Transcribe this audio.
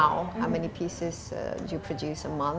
berapa banyak yang anda produksi sebulan